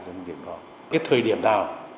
cái thời điểm nào